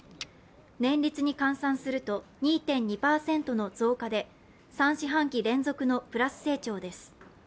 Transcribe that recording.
年率に換算すると２．２％の増加で３四半期連続のプラス成長です。